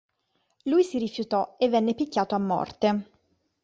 Lui si rifiutò e venne picchiato a morte.